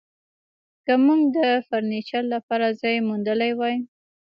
که موږ د فرنیچر لپاره ځای موندلی وای